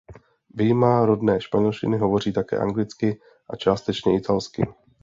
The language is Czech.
Vyjma rodné španělštiny hovoří také anglicky a částečně italsky.